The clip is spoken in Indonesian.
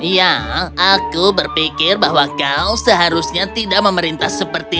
ya aku berpikir bahwa kau seharusnya tidak memerintah seperti